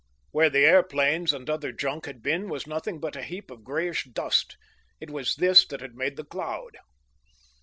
Where the airplanes and other junk had been, was nothing but a heap of grayish dust. It was this that had made the cloud.